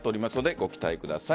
ご期待ください。